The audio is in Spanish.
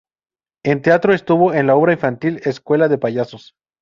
En teatro estuvo en la obra infantil "Escuela de payasos".